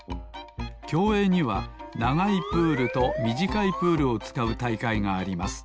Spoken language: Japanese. きょうえいにはながいプールとみじかいプールをつかうたいかいがあります